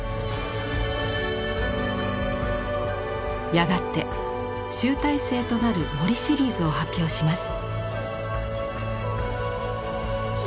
やがて集大成となる「森」シリーズを発表します。